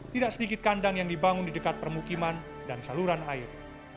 tidak sedikit kandang yang dibangun di dekat permukiman dan saluran air